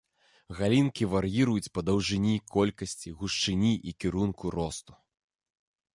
Галінкі вар'іруюць па даўжыні, колькасці, гушчыні і кірунку росту.